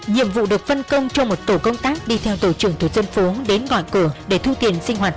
nhiệm vụ được phân công cho một tổ công tác đi theo tổ trưởng tổ dân phố đến gọi cửa để thu tiền sinh hoạt